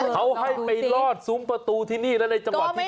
เขาให้ไปลอดซุ้มประตูที่นี่แล้วในจังหวะที่